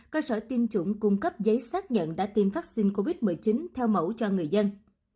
cơ sở tiêm chủng cung cấp giấy xác nhận đã tiêm vaccine covid một mươi chín theo mẫu cho người dân